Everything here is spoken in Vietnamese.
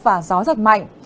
và gió rất mạnh